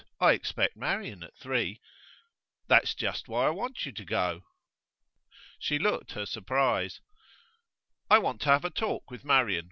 I expect Marian at three.' 'That's just why I want you to go.' She looked her surprise. 'I want to have a talk with Marian.